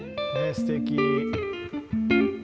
すてき。